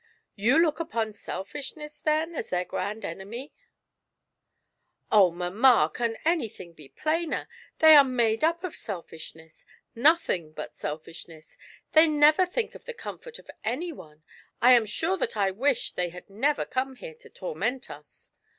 You look upon selfishness, then, as theii* grand enemy V ''Oh, mamma, can anything be plainer — they are made up of selfishness, nothing but selfishness ; they never think of the comfort of any one. I am sure that I wish they had never come here, to toiinent us